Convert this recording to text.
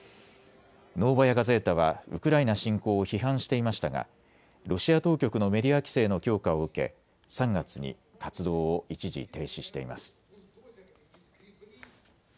ノーバヤ・ガゼータはウクライナ侵攻を批判していましたがロシア当局のメディア規制の強化を受け３月に活動を一時停止しています。